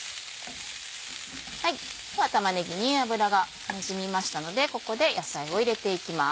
では玉ねぎに油がなじみましたのでここで野菜を入れていきます。